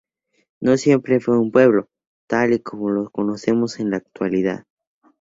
No siempre fue un pueblo, tal y como lo conocemos en la actualidad.